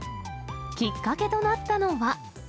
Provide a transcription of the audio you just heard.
きっかけとなったのは。